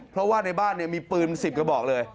เพราะว่าในบ้านมีปืน๑๐กระบอกเลย